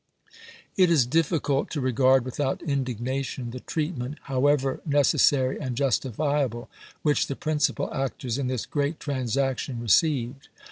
It is difficult to regard without indignation the treatment, however necessary and justifiable, which the principal actors in this great transaction re ceived.